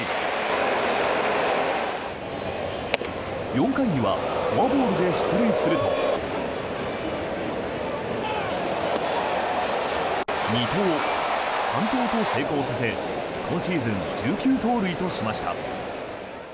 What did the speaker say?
４回にはフォアボールで出塁すると２塁、３盗と成功させ今シーズン１９盗塁としました。